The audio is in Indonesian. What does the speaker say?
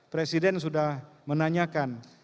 presiden sudah menanyakan